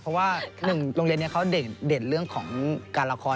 เพราะว่า๑โรงเรียนนี้เขาเด่นเรื่องของการละคร